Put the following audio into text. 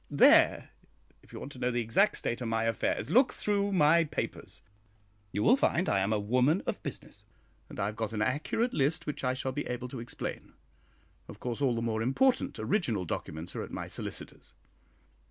There, if you want to know the exact state of my affairs, look through my papers you will find I am a woman of business; and I have got an accurate list which I shall be able to explain. Of course all the more important original documents are at my solicitor's."